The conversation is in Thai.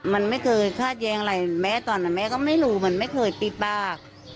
มันไม่เคยคาดแย้งอะไรแม่ตอนนั้นแม่ก็ไม่รู้มันไม่เคยปิดปาก